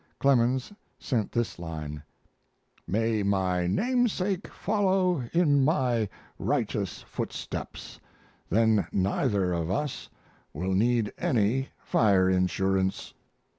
Clemens sent this line: May my namesake follow in my righteous footsteps, then neither of us will need any fire insurance.